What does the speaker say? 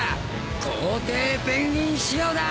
皇帝ペンギン仕様だ！